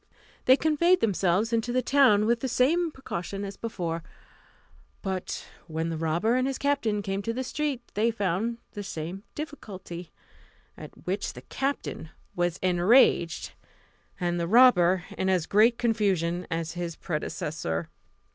They conveyed themselves into the town with the same precaution as before; but when the robber and his captain came to the street, they found the same difficulty; at which the captain was enraged, and the robber in as great confusion as his predecessor.